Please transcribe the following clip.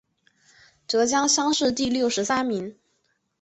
浙江乡试第六十三名。